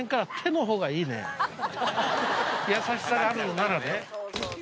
優しさがあるのならね。